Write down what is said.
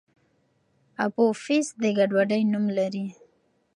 اپوفیس د ګډوډۍ نوم لري.